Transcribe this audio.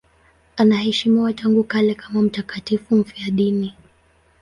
Anaheshimiwa tangu kale kama mtakatifu mfiadini.